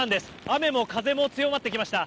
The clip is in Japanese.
雨も風も強まってきました。